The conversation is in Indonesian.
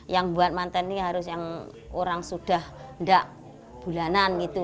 yang buat mantan ini harus yang orang sudah tidak bulanan gitu